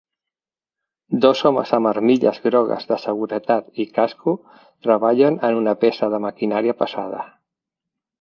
Dos homes amb armilles grogues de seguretat i casco treballen en una peça de maquinària pesada.